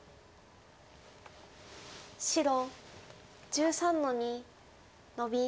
白１３の二ノビ。